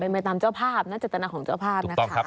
เป็นไปตามเจ้าภาพนะเจตนาของเจ้าภาพนะคะ